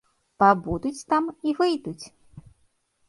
Пабудуць там і выйдуць!